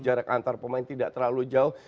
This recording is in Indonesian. jarak antar pemain tidak terlalu jauh